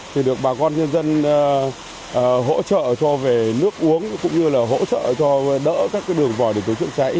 thì được bà con nhân dân hỗ trợ cho về nước uống cũng như là hỗ trợ cho đỡ các cái đường vòi để tổ chữa cháy